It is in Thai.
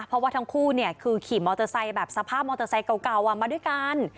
เพราะว่าทั้งคู่เนี่ยคือขี่มอเตอร์ไซค์แบบสภาพมอเตอร์ไซค์เก่ามาด้วยกัน